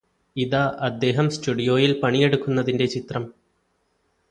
ഇതാ അദ്ദേഹം സ്റ്റുഡിയോയില് പണിയെടുക്കുന്നതിന്റെ ചിത്രം